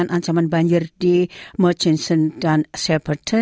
kata badan iklim uni eropa